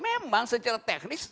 memang secara teknis